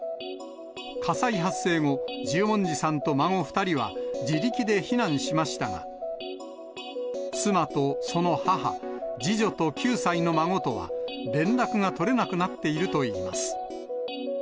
火災発生後、十文字さんと孫２人は自力で避難しましたが、妻とその母、次女と９歳の孫とは連絡が取れなくなっているといいます。